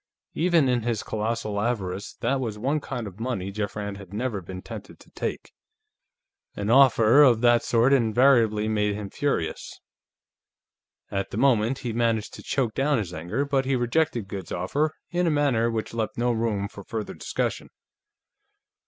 Even in his colossal avarice, that was one kind of money Jeff Rand had never been tempted to take. An offer of that sort invariably made him furious. At the moment, he managed to choke down his anger, but he rejected Goode's offer in a manner which left no room for further discussion.